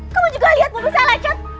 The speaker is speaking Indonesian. kamu juga lihat mungkin saya lancet